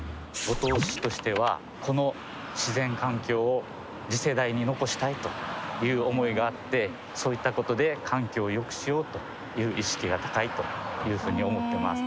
五島市としてはこの自然環境を次世代に残したいという思いがあってそういったことで環境をよくしようという意識が高いというふうに思ってます。